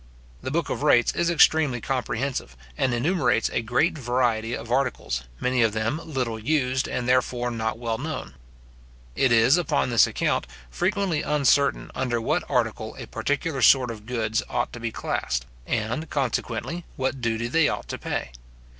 The book of rates is extremely comprehensive, and enumerates a great variety of articles, many of them little used, and, therefore, not well known. It is, upon this account, frequently uncertain under what article a particular sort of goods ought to be classed, and, consequently what duty they ought to pay.